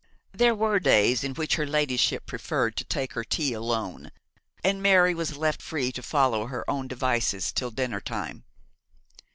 There were days on which her ladyship preferred to take her tea alone, and Mary was left free to follow her own devices till dinner time.